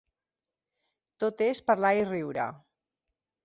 Tot és parlar i riure.